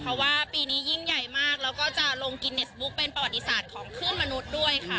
เพราะว่าปีนี้ยิ่งใหญ่มากแล้วก็จะลงกินเนสบุ๊คเป็นประวัติศาสตร์ของคลื่นมนุษย์ด้วยค่ะ